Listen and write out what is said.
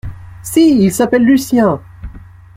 Si, il s’appelle Lucien.